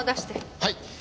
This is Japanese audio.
はい。